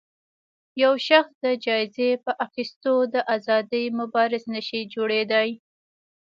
يو شخص د جايزې په اخیستو د ازادۍ مبارز نه شي جوړېدای